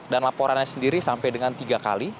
dan laporannya sendiri sampai dengan tiga kali